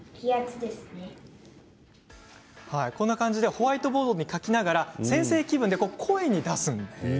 ホワイトボードに書きながら、先生気分で声に出すんです。